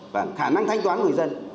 và khả năng thanh toán người dân